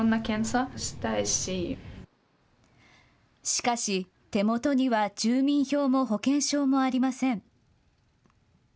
しかし、手元には住民票も保険証もありません。